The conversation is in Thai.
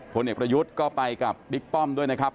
ผลเอกประยุทธ์ก็ไปกับบิ๊กป้อมด้วยนะครับ